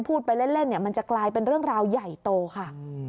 พูดไปเล่นเนี่ยมันจะกลายเป็นเรื่องราวใหญ่โตค่ะ